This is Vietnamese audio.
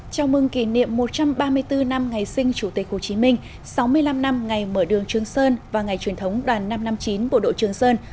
chào mừng kỷ niệm một trăm ba mươi bốn năm ngày sinh chủ tịch hồ chí minh sáu mươi năm năm ngày mở đường trường sơn và ngày truyền thống đoàn năm trăm năm mươi chín bộ đội trường sơn